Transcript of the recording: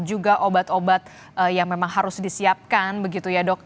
juga obat obat yang memang harus disiapkan begitu ya dok